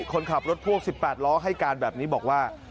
คนขับรถพ่วง๑๘ล้อให้การแบบนี้บอกว่า